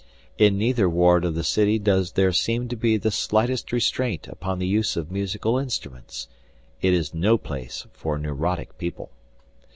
In neither ward of the city does there seem to be the slightest restraint upon the use of musical instruments. It is no place for neurotic people.